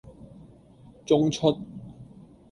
中出